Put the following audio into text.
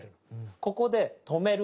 ここで止める。